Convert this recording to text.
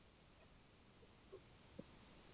هغه شی چي د حکم موضوع وي.؟